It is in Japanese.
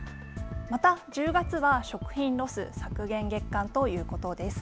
また１０月は食品ロス削減月間ということです。